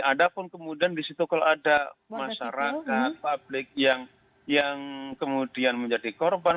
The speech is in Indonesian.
ada pun kemudian di situ kalau ada masyarakat publik yang kemudian menjadi korban